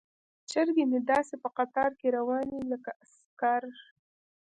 چرګې مې داسې په قطار کې روانې وي لکه عسکر.